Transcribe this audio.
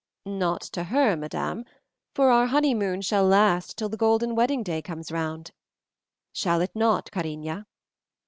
"Not to her, madame, for our honeymoon shall last till the golden wedding day comes round. Shall it not, cariña?"